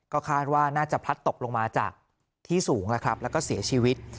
ก็คาดว่าน่าจะพลัดตกลงมาจากที่สูงแล้วครับแล้วก็เสียชีวิต